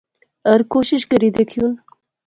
ہر کوشش کری دیکھیون